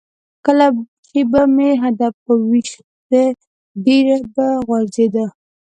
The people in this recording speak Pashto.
کله چې به مې هدف په ویشتی ډېره به غورځېده.